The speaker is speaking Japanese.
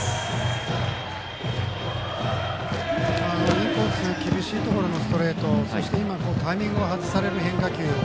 インコース厳しいところのストレートそして今タイミングを外される変化球。